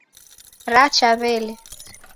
Racha wele